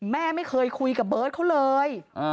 แม่ไม่เคยคุยกับเบิร์ตเขาเลย